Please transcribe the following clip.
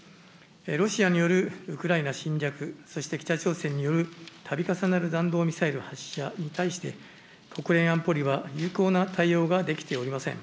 ロシアによるウクライナ侵略、そして北朝鮮による度重なる弾道ミサイル発射に対して、国連安保理は有効な対応ができておりません。